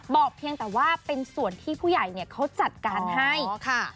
เพียงแต่ว่าเป็นส่วนที่ผู้ใหญ่เนี่ยเขาจัดการให้อ๋อค่ะ